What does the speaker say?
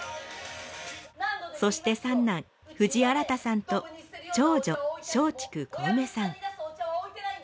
そして三男藤新さんと長女松竹小梅さん。